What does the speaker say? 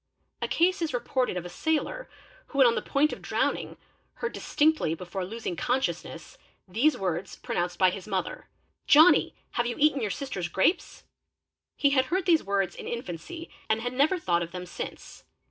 A case 1s reported of a sailor who when on the point of drowning heard distinctly before losing consciousness these words pronounced by his mother 'Johnny! Have you eaten your sister's grapes?.'"' He had heard these words in infancy and had never thought of them since.